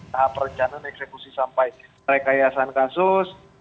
tahap rencana dan eksekusi sampai rekayasan kasus